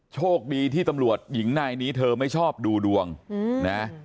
โชคดีที่ตำรวจหญิงนายนี้เธอไม่ชอบดูดวงนะ